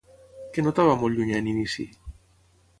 Què notava molt llunyà en inici?